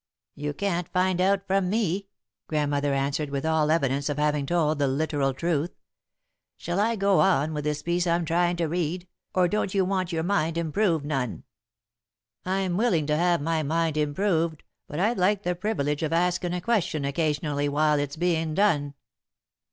"You can't find out from me," Grandmother answered, with all evidence of having told the literal truth. "Shall I go on with this piece I'm tryin' to read, or don't you want your mind improved none?" "I'm willing to have my mind improved, but I'd like the privilege of askin' a question occasionally while it's being done."